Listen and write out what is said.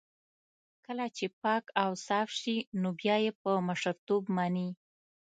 کله چې پاک اوصاف شي نو بيا يې په مشرتوب مني.